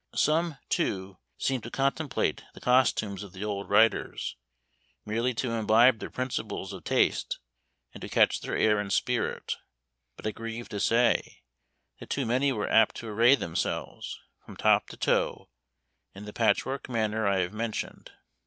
Some, too, seemed to contemplate the costumes of the old writers, merely to imbibe their principles of taste, and to catch their air and spirit; but I grieve to say, that too many were apt to array themselves, from top to toe, in the patchwork manner I have mentioned.